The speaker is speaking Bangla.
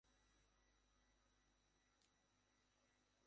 তাই একটু নরম থাকতেই নামিয়ে নিন।